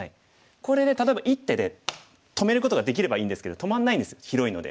これで例えば１手で止めることができればいいんですけど止まんないんです広いので。